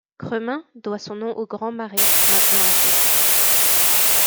Cremin, doit son nom au Grand Marais, maintenant asséché.